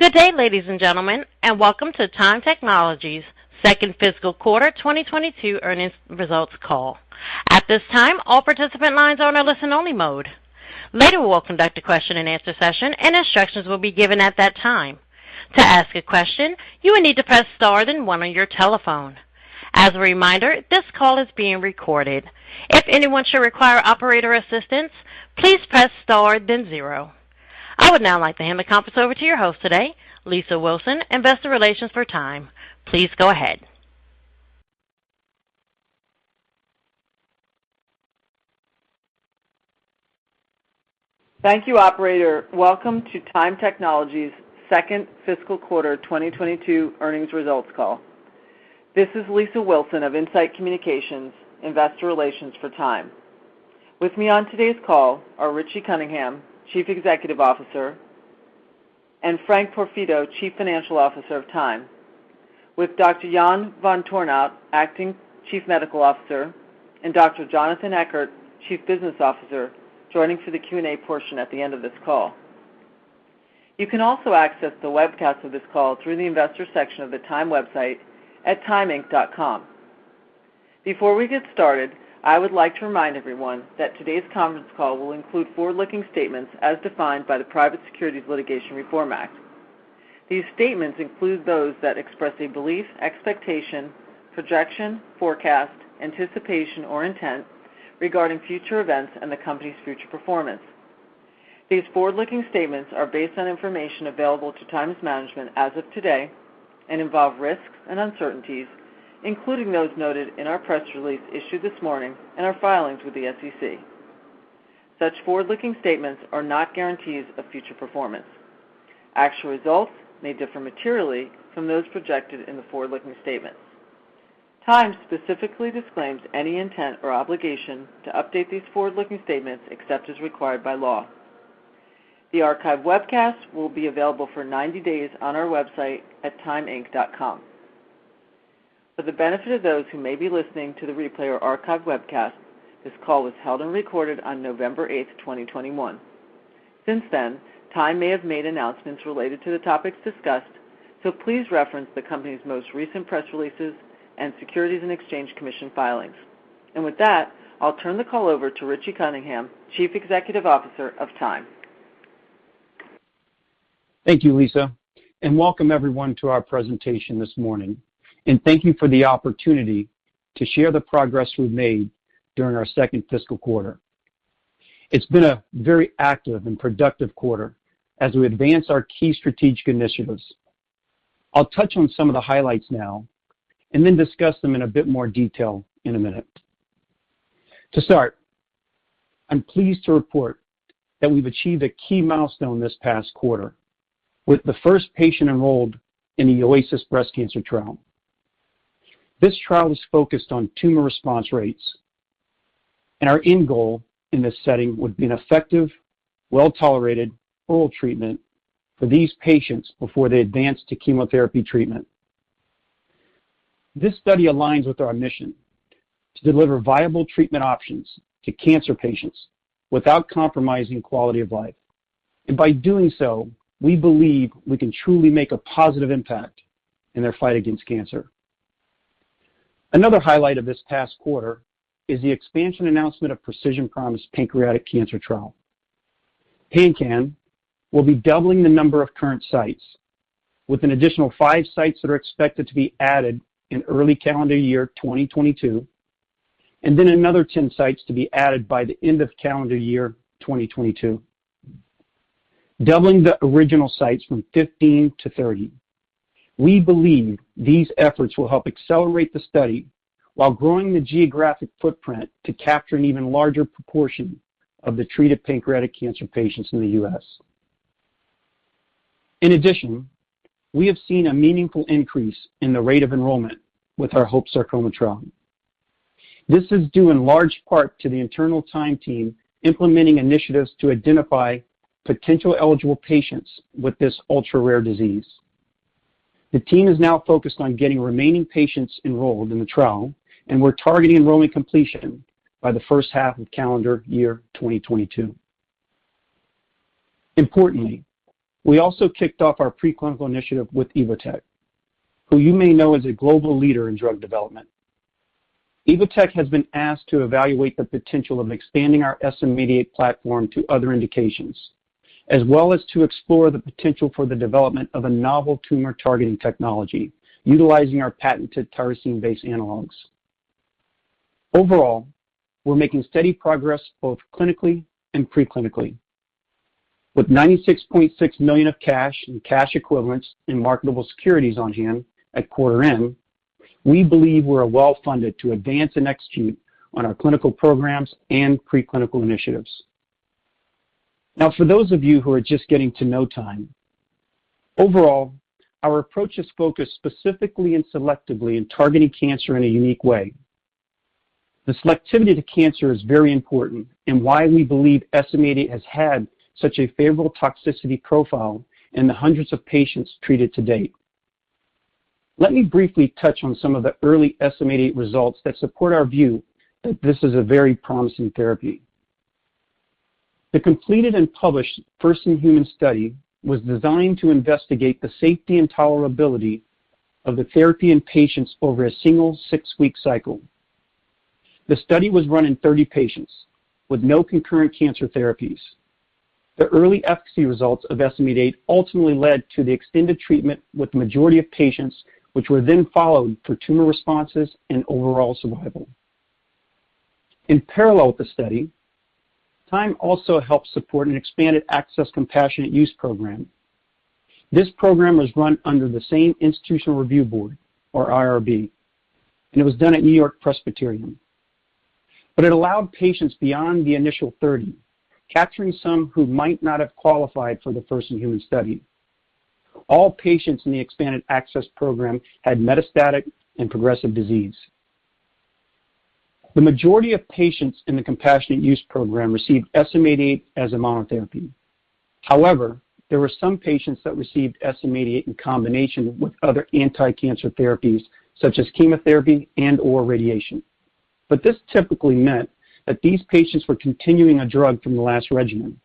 Good day, ladies and gentlemen, and welcome to Tyme Technologies second fiscal quarter 2022 earnings results call. At this time, all participant lines are on a listen-only mode. Later, we'll conduct a question-and-answer session, and instructions will be given at that time. To ask a question, you will need to press star then one on your telephone. As a reminder, this call is being recorded. If anyone should require operator assistance, please press star then zero. I would now like to hand the conference over to your host today, Lisa Wilson, investor relations for Tyme. Please go ahead. Thank you, operator. Welcome to Tyme Technologies Second Fiscal Quarter 2022 earnings results call. This is Lisa Wilson of In-Site Communications, investor relations for Tyme. With me on today's call are Richie Cunningham, Chief Executive Officer, and Frank Porfido, Chief Financial Officer of Tyme, with Dr. Jan Van Tornout, Acting Chief Medical Officer, and Dr. Jonathan Eckard, Chief Business Officer, joining for the Q&A portion at the end of this call. You can also access the webcast of this call through the investor section of the Tyme website at tymeinc.com. Before we get started, I would like to remind everyone that today's conference call will include forward-looking statements as defined by the Private Securities Litigation Reform Act. These statements include those that express a belief, expectation, projection, forecast, anticipation, or intent regarding future events and the company's future performance. These forward-looking statements are based on information available to Tyme management as of today and involve risks and uncertainties, including those noted in our press release issued this morning and our filings with the SEC. Such forward-looking statements are not guarantees of future performance. Actual results may differ materially from those projected in the forward-looking statements. Tyme specifically disclaims any intent or obligation to update these forward-looking statements except as required by law. The archive webcast will be available for 90 days on our website at tymeinc.com. For the benefit of those who may be listening to the replay or archive webcast, this call was held and recorded on November 8, 2021. Since then, Tyme may have made announcements related to the topics discussed, so please reference the company's most recent press releases and Securities and Exchange Commission filings. With that, I'll turn the call over to Richie Cunningham, Chief Executive Officer of Tyme. Thank you, Lisa, and welcome everyone to our presentation this morning. Thank you for the opportunity to share the progress we've made during our second fiscal quarter. It's been a very active and productive quarter as we advance our key strategic initiatives. I'll touch on some of the highlights now and then discuss them in a bit more detail in a minute. To start, I'm pleased to report that we've achieved a key milestone this past quarter with the first patient enrolled in the OASIS breast cancer trial. This trial is focused on tumor response rates, and our end goal in this setting would be an effective, well-tolerated oral treatment for these patients before they advance to chemotherapy treatment. This study aligns with our mission to deliver viable treatment options to cancer patients without compromising quality of life. By doing so, we believe we can truly make a positive impact in their fight against cancer. Another highlight of this past quarter is the expansion announcement of Precision Promise pancreatic cancer trial. PanCAN will be doubling the number of current sites, with an additional five sites that are expected to be added in early calendar year 2022, and then another 10 sites to be added by the end of calendar year 2022, doubling the original sites from 15 to 30. We believe these efforts will help accelerate the study while growing the geographic footprint to capture an even larger proportion of the treated pancreatic cancer patients in the U.S. In addition, we have seen a meaningful increase in the rate of enrollment with our HoPES sarcoma trial. This is due in large part to the internal Tyme team implementing initiatives to identify potential eligible patients with this ultra-rare disease. The team is now focused on getting remaining patients enrolled in the trial, and we're targeting enrollment completion by the first half of calendar year 2022. Importantly, we also kicked off our preclinical initiative with Evotec, who you may know is a global leader in drug development. Evotec has been asked to evaluate the potential of expanding our SM-88 platform to other indications, as well as to explore the potential for the development of a novel tumor-targeting technology utilizing our patented tyrosine-based analogs. Overall, we're making steady progress both clinically and preclinically. With $96.6 million of cash and cash equivalents in marketable securities on hand at quarter end, we believe we are well funded to advance and execute on our clinical programs and preclinical initiatives. Now for those of you who are just getting to know Tyme, overall, our approach is focused specifically and selectively in targeting cancer in a unique way. The selectivity to cancer is very important and why we believe SM-88 has had such a favorable toxicity profile in the hundreds of patients treated to date. Let me briefly touch on some of the early SM-88 results that support our view that this is a very promising therapy. The completed and published first-in-human study was designed to investigate the safety and tolerability of the therapy in patients over a single 6-week cycle. The study was run in 30 patients with no concurrent cancer therapies. The early efficacy results of SM-88 ultimately led to the extended treatment with the majority of patients, which were then followed for tumor responses and overall survival. In parallel with the study, Tyme also helped support an expanded access compassionate use program. This program was run under the same institutional review board, or IRB, and it was done at NewYork-Presbyterian. It allowed patients beyond the initial 30, capturing some who might not have qualified for the first-in-human study. All patients in the expanded access program had metastatic and progressive disease. The majority of patients in the compassionate use program received SM-88 as a monotherapy. However, there were some patients that received SM-88 in combination with other anticancer therapies such as chemotherapy and/or radiation. This typically meant that these patients were continuing a drug from the last regimen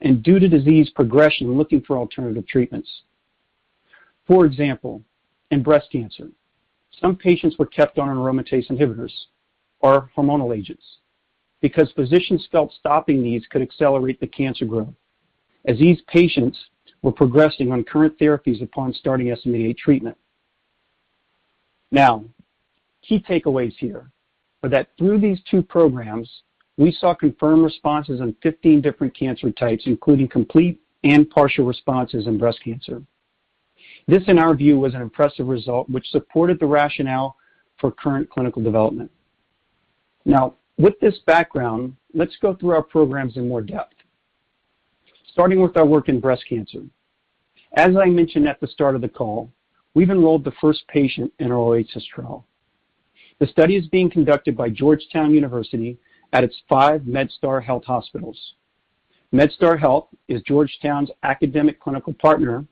and due to disease progression, looking for alternative treatments. For example, in breast cancer, some patients were kept on aromatase inhibitors or hormonal agents because physicians felt stopping these could accelerate the cancer growth as these patients were progressing on current therapies upon starting SM-88 treatment. Now, key takeaways here are that through these two programs, we saw confirmed responses in 15 different cancer types, including complete and partial responses in breast cancer. This, in our view, was an impressive result which supported the rationale for current clinical development. Now, with this background, let's go through our programs in more depth. Starting with our work in breast cancer. As I mentioned at the start of the call, we've enrolled the first patient in our OASIS trial. The study is being conducted by Georgetown University at its five MedStar Health hospitals. MedStar Health is Georgetown's academic clinical partner,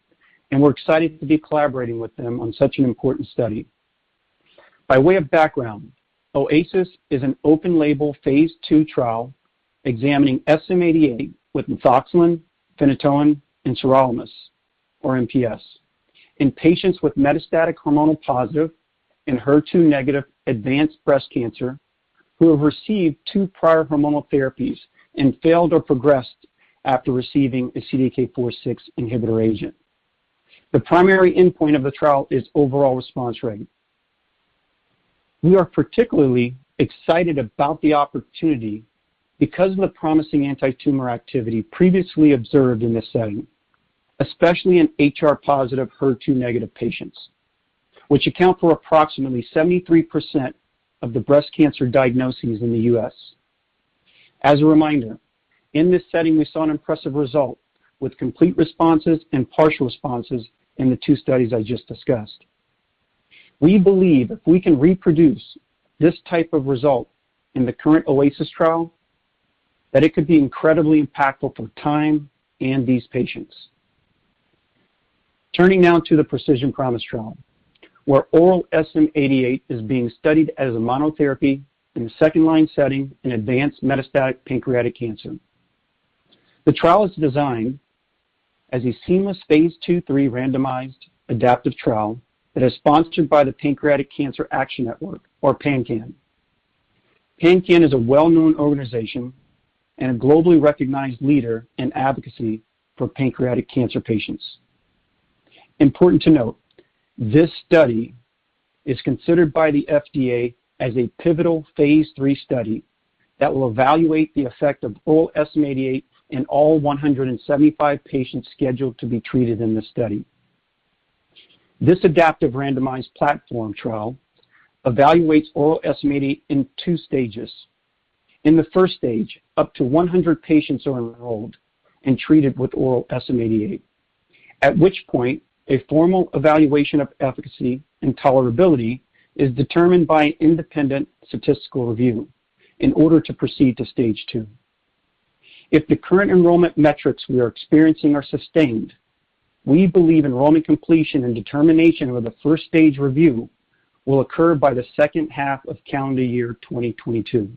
and we're excited to be collaborating with them on such an important study. By way of background, OASIS is an open label phase II trial examining SM-88 with fulvestrant, phenytoin, and sirolimus or MPS in patients with metastatic HR positive and HER2 negative advanced breast cancer who have received two prior hormonal therapies and failed or progressed after receiving a CDK4/6 inhibitor agent. The primary endpoint of the trial is overall response rate. We are particularly excited about the opportunity because of the promising antitumor activity previously observed in this setting, especially in HR positive HER2 negative patients, which account for approximately 73% of the breast cancer diagnoses in the US. As a reminder, in this setting we saw an impressive result with complete responses and partial responses in the two studies I just discussed. We believe if we can reproduce this type of result in the current OASIS trial, that it could be incredibly impactful for Tyme and these patients. Turning now to the Precision Promise trial, where oral SM-88 is being studied as a monotherapy in a second-line setting in advanced metastatic pancreatic cancer. The trial is designed as a seamless phase II phase III randomized adaptive trial that is sponsored by the Pancreatic Cancer Action Network, or PanCAN. PanCAN is a well-known organization and a globally recognized leader in advocacy for pancreatic cancer patients. Important to note, this study is considered by the FDA as a pivotal phase III study that will evaluate the effect of oral SM-88 in all 175 patients scheduled to be treated in the study. This adaptive randomized platform trial evaluates oral SM-88 in two stages. In the first stage, up to 100 patients are enrolled and treated with oral SM-88, at which point a formal evaluation of efficacy and tolerability is determined by an independent statistical review in order to proceed to stage two. If the current enrollment metrics we are experiencing are sustained, we believe enrollment completion and determination of the first stage review will occur by the second half of calendar year 2022.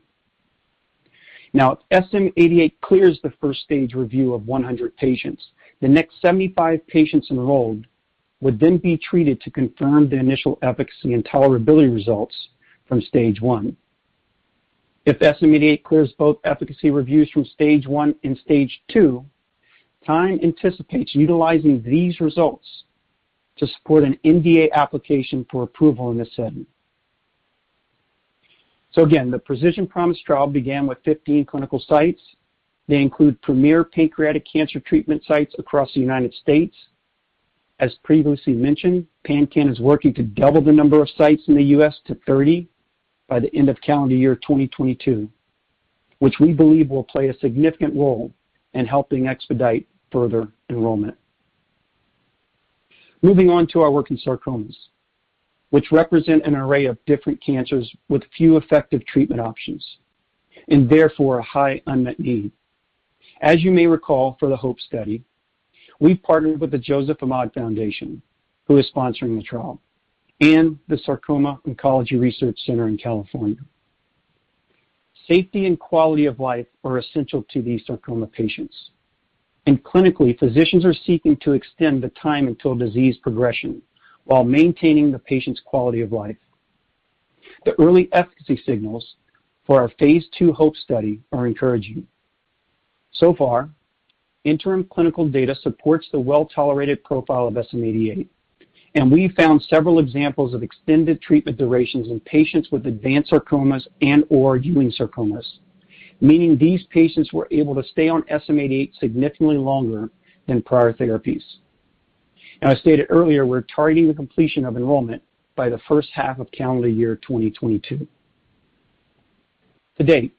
Now, if SM-88 clears the first stage review of 100 patients, the next 75 patients enrolled would then be treated to confirm the initial efficacy and tolerability results from stage one. If SM-88 clears both efficacy reviews from stage one and stage two, Tyme anticipates utilizing these results to support an NDA application for approval in this setting. Again, the Precision Promise trial began with 15 clinical sites. They include premier pancreatic cancer treatment sites across the United States. As previously mentioned, PanCAN is working to double the number of sites in the US. to 30 by the end of calendar year 2022, which we believe will play a significant role in helping expedite further enrollment. Moving on to our work in sarcomas, which represent an array of different cancers with few effective treatment options and therefore a high unmet need. As you may recall for the HoPES study, we've partnered with the Joseph Ahmed Foundation, who is sponsoring the trial, and the Sarcoma Oncology Center in California. Safety and quality of life are essential to these sarcoma patients, and clinically physicians are seeking to extend the time until disease progression while maintaining the patient's quality of life. The early efficacy signals for our phase II HoPES study are encouraging. So far, interim clinical data supports the well-tolerated profile of SM-88, and we found several examples of extended treatment durations in patients with advanced sarcomas and/or Ewing sarcomas, meaning these patients were able to stay on SM-88 significantly longer than prior therapies. Now, I stated earlier, we're targeting the completion of enrollment by the first half of calendar year 2022. To date,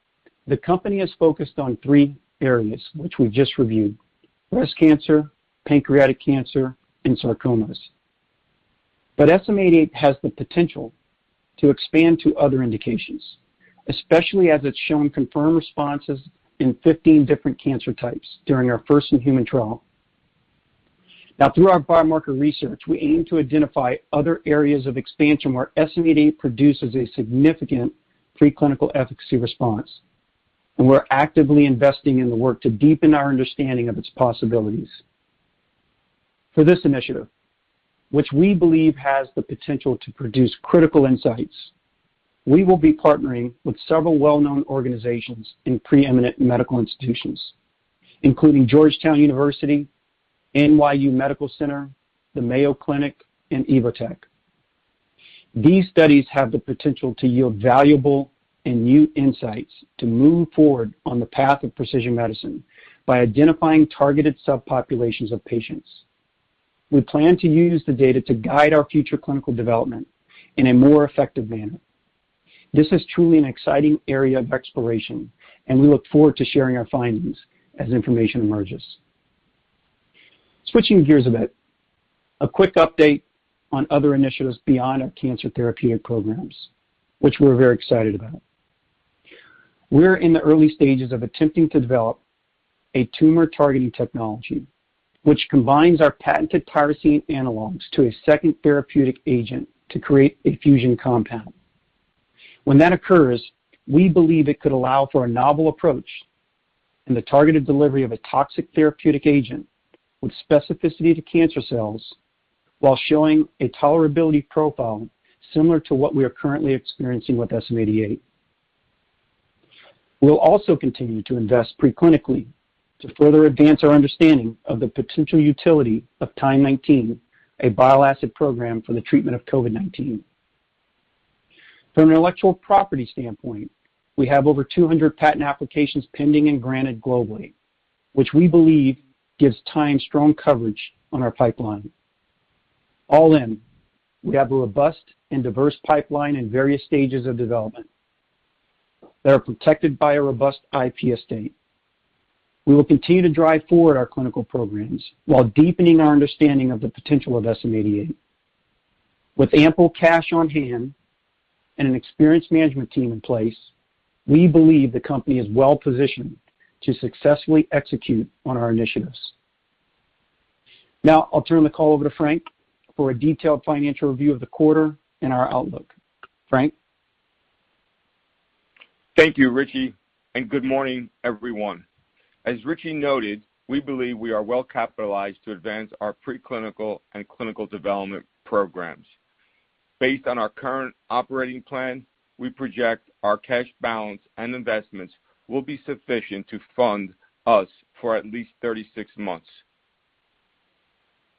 the company has focused on three areas which we just reviewed, breast cancer, pancreatic cancer, and sarcomas. SM-88 has the potential to expand to other indications, especially as it's shown confirmed responses in 15 different cancer types during our first human trial. Now through our biomarker research, we aim to identify other areas of expansion where SM-88 produces a significant preclinical efficacy response. We're actively investing in the work to deepen our understanding of its possibilities. For this initiative, which we believe has the potential to produce critical insights, we will be partnering with several well-known organizations in preeminent medical institutions, including Georgetown University, NYU Langone Health, the Mayo Clinic, and Evotec. These studies have the potential to yield valuable and new insights to move forward on the path of precision medicine by identifying targeted subpopulations of patients. We plan to use the data to guide our future clinical development in a more effective manner. This is truly an exciting area of exploration, and we look forward to sharing our findings as information emerges. Switching gears a bit, a quick update on other initiatives beyond our cancer therapeutic programs, which we're very excited about. We're in the early stages of attempting to develop a tumor-targeting technology, which combines our patented tyrosine analogs to a second therapeutic agent to create a fusion compound. When that occurs, we believe it could allow for a novel approach in the targeted delivery of a toxic therapeutic agent with specificity to cancer cells while showing a tolerability profile similar to what we are currently experiencing with SM-88. We'll also continue to invest preclinically to further advance our understanding of the potential utility of TYME-19, a bile acid program for the treatment of COVID-19. From an intellectual property standpoint, we have over 200 patent applications pending and granted globally, which we believe gives Tyme strong coverage on our pipeline. All in, we have a robust and diverse pipeline in various stages of development that are protected by a robust IP estate. We will continue to drive forward our clinical programs while deepening our understanding of the potential of SM-88. With ample cash on hand and an experienced management team in place, we believe the company is well positioned to successfully execute on our initiatives. Now I'll turn the call over to Frank for a detailed financial review of the quarter and our outlook. Frank? Thank you, Richie, and good morning, everyone. As Richie noted, we believe we are well capitalized to advance our preclinical and clinical development programs. Based on our current operating plan, we project our cash balance and investments will be sufficient to fund us for at least 36 months.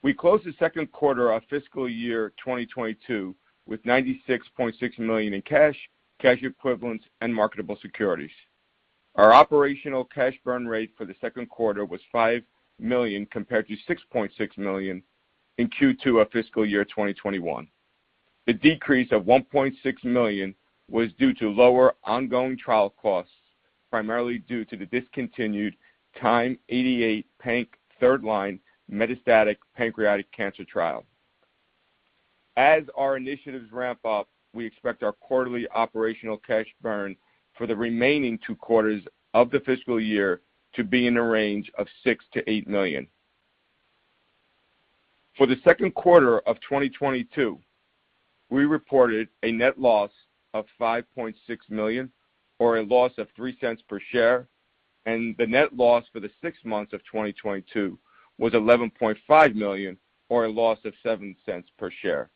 We closed the second quarter of fiscal year 2022 with $96.6 million in cash equivalents, and marketable securities. Our operational cash burn rate for the second quarter was $5 million compared to $6.6 million in Q2 of fiscal year 2021. The decrease of $1.6 million was due to lower ongoing trial costs, primarily due to the discontinued TYME-88-Panc third-line metastatic pancreatic cancer trial. As our initiatives ramp up, we expect our quarterly operational cash burn for the remaining 2 quarters of the fiscal year to be in the range of $6 million-$8 million. For the second quarter of 2022, we reported a net loss of $5.6 million or a loss of $0.03 per share, and the net loss for the 6 months of 2022 was $11.5 million or a loss of $0.07 per share.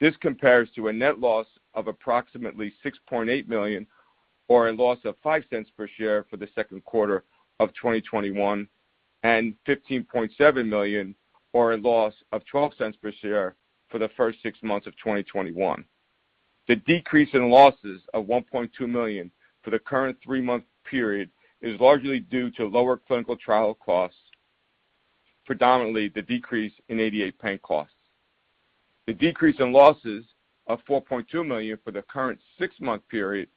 This compares to a net loss of approximately $6.8 million or a loss of $0.05 per share for the second quarter of 2021 and $15.7 million or a loss of $0.12 per share for the first 6 months of 2021. The decrease in losses of $1.2 million for the current three-month period is largely due to lower clinical trial costs, predominantly the decrease in TYME-88-Panc costs. The decrease in losses of $4.2 million for the current six-month period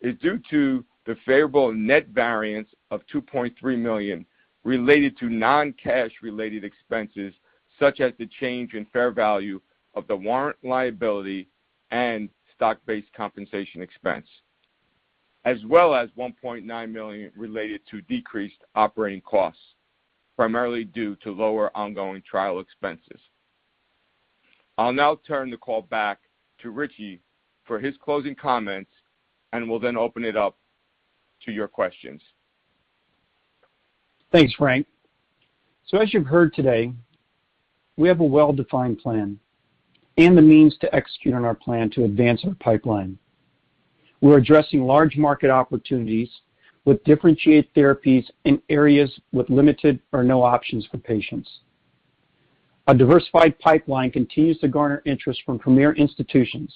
is due to the favorable net variance of $2.3 million related to non-cash related expenses such as the change in fair value of the warrant liability and stock-based compensation expense, as well as $1.9 million related to decreased operating costs, primarily due to lower ongoing trial expenses. I'll now turn the call back to Richie for his closing comments, and we'll then open it up to your questions. Thanks, Frank. As you've heard today, we have a well-defined plan and the means to execute on our plan to advance our pipeline. We're addressing large market opportunities with differentiated therapies in areas with limited or no options for patients. Our diversified pipeline continues to garner interest from premier institutions,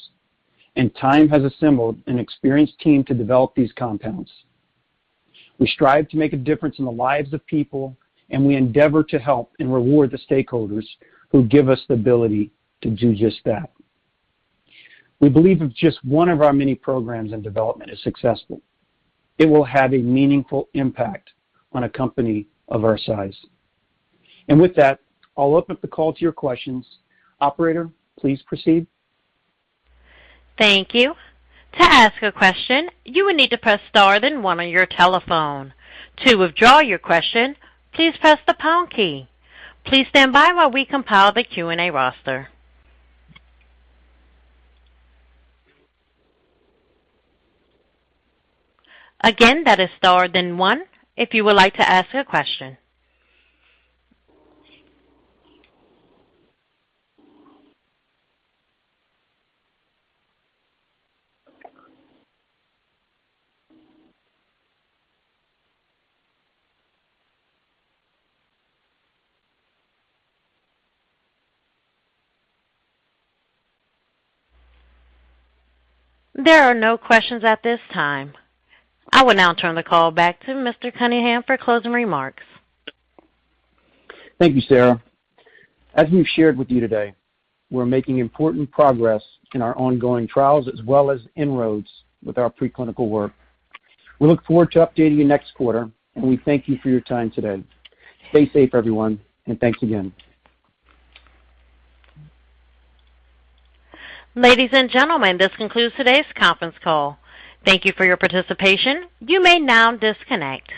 and Tyme has assembled an experienced team to develop these compounds. We strive to make a difference in the lives of people, and we endeavor to help and reward the stakeholders who give us the ability to do just that. We believe if just one of our many programs in development is successful, it will have a meaningful impact on a company of our size. With that, I'll open up the call to your questions. Operator, please proceed. Thank you. To ask a question, you will need to press star then one on your telephone. To withdraw your question, please press the pound key. Please stand by while we compile the Q&A roster. Again, that is star then one if you would like to ask a question. There are no questions at this time. I will now turn the call back to Mr. Cunningham for closing remarks. Thank you, Sarah. As we've shared with you today, we're making important progress in our ongoing trials as well as inroads with our preclinical work. We look forward to updating you next quarter, and we thank you for your time today. Stay safe, everyone, and thanks again. Ladies and gentlemen, this concludes today's conference call. Thank you for your participation. You may now disconnect.